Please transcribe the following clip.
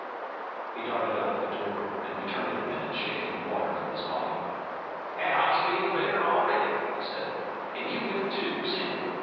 He darted out of the door and returned in a minute shaking the water from his body. "That hoss feels better already," he said, "an' you will, too, soon.